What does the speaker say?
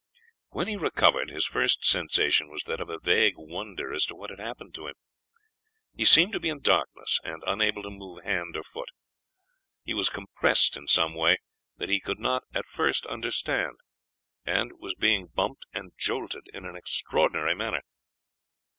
When he recovered, his first sensation was that of a vague wonder as to what had happened to him. He seemed to be in darkness and unable to move hand or foot. He was compressed in some way that he could not at first understand, and was being bumped and jolted in an extraordinary manner.